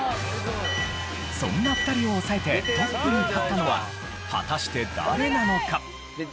そんな２人を抑えてトップに立ったのは果たして誰なのか？